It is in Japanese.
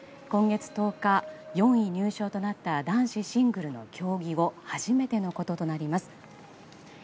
今月１０日、４位入賞となった男子シングルの競技後初めてのこととなります。